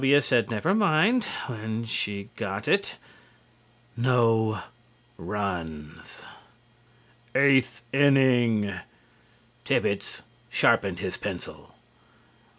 W. said never mind where she got it. NO RUNS. EIGHTH INNING: Thibbets sharpened his pencil.